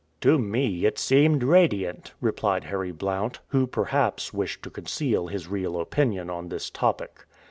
"To me, it seemed radiant," replied Harry Blount, who perhaps, wished to conceal his real opinion on this topic.